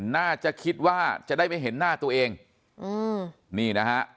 น่าจะคิดว่าจะได้ไม่เห็นหน้าตัวเองอืมนี่นะฮะ